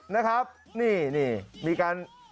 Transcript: นี่นี่มีการ